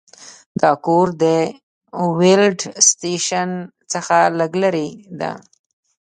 دا کور د ویلډ سټیشن څخه لږ لرې دی